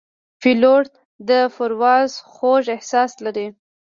پیلوټ د پرواز خوږ احساس لري.